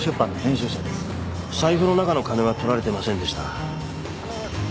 財布の中の金は取られてませんでした。